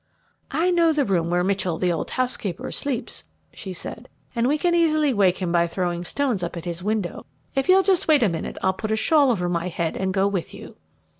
"I know the room where Mitchell, the old housekeeper, sleeps," she said, "and we can easily wake him by throwing stones up at his window. If you'll just wait a minute I'll put a shawl over my head and go with you."